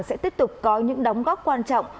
sẽ tiếp tục có những đóng góp quan trọng